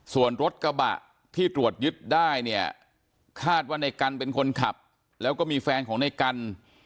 ส่วนรถกระบะที่ตรวจยึดได้เนี่ยคาดว่าในกันเป็นคนขับแล้วก็มีแฟนของในกัน